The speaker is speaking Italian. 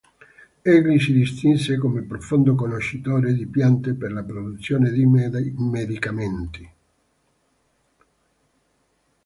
Egli si distinse come profondo conoscitore di piante per la produzione di medicamenti.